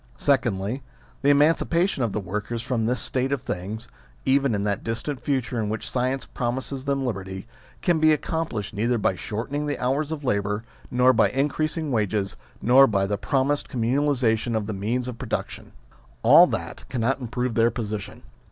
Secondly, the emancipation of the workers from this state of things (even in that distant future in which science promises them liberty) can be accomplished neither by shortening the hours of labour, nor by increasing wages, nor by the promised communalisation of the means of production. All that, cannot improve their position.